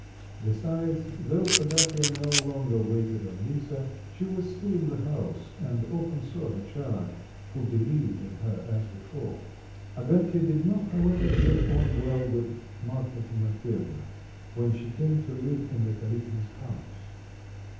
Besides, though Agafya no longer waited on Lisa, she was still in the house and often saw her charge, who believed in her as before. Agafya did not, however, get on well with Marfa Timofyevna, when she came to live in the Kalitins' house.